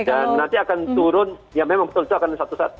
dan nanti akan turun ya memang betul itu akan satu saat